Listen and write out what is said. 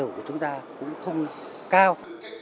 cái giá trị của chúng ta cũng không cao